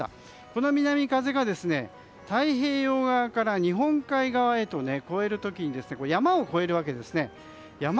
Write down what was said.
この南風が太平洋側から日本海側へと越える時に山を越えるわけですね。